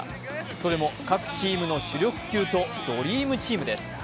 それも各チームの主力級とドリームチームです。